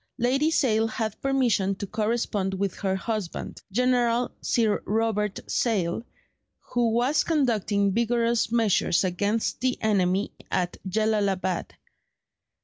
'" Lady Sale had permission to correspond with her husband, General Sir Robert Sale, who was conducting vigorous measures against the enemy at Jellalabad.